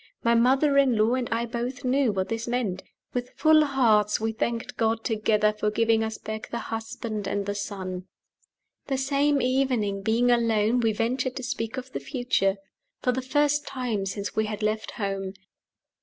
My mother in law and I both knew what this meant. With full hearts we thanked God together for giving us back the husband and the son. The same evening, being alone, we ventured to speak of the future for the first time since we had left home.